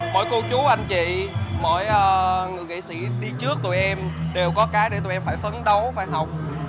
mỗi cô chú anh chị mỗi nghệ sĩ đi trước tụi em đều có cái để tụi em phải phấn đấu phải học